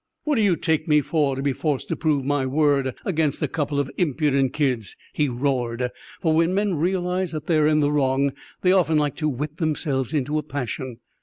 "What do you take me for, to be forced to prove my word against a couple of impudent kids?" he roared; for when men realize that they are in the wrong they often like to whip themselves into a passion.